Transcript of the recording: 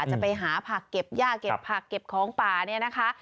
จะไปหาผักเก็บย่าเก็บผักเก็บของป่าเนี่ยนะคะ